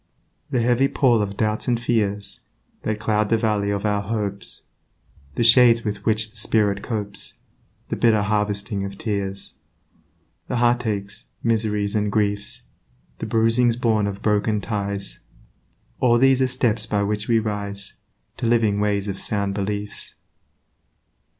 The heavy pall of doubts and fears That clouds the Valley of our hopes, The shades with which the spirit copes, The bitter harvesting of tears, The heartaches, miseries, and griefs, The bruisings born of broken ties, All these are steps by which we rise To living ways of sound beliefs.